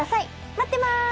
待ってます。